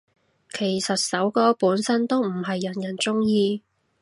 其實首歌本身都唔係人人鍾意